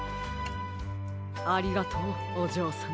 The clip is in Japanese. ありがとうおじょうさん。